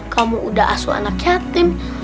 kamu udah asuh anak yatim